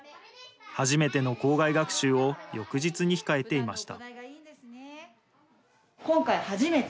初めての校外学習を翌日に控えていました。